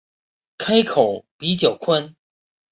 开口比较宽